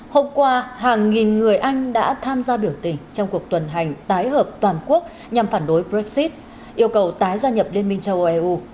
hôm qua hàng nghìn người anh đã tham gia biểu tình trong cuộc tuần hành tái hợp toàn quốc nhằm phản đối brexit yêu cầu tái gia nhập liên minh châu âu eu